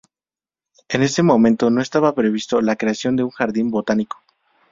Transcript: En ese momento no estaba previsto la creación de un jardín botánico.